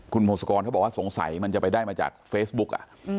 คุณพงศกรเขาบอกว่าสงสัยมันจะไปได้มาจากเฟซบุ๊ก